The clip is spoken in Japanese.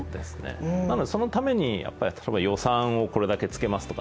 なので、そのために例えば予算をこれだけつけますとか